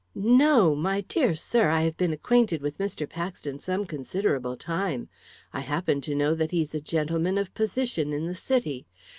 "No! My dear sir, I have been acquainted with Mr. Paxton some considerable time. I happen to know that he's a gentleman of position in the City.